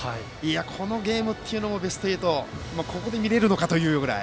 このゲームもベスト８、ここで見られるのかというぐらい。